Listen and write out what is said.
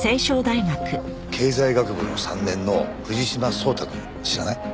経済学部の３年の藤島颯太くん知らない？